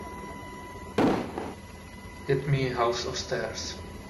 get me House of Stairs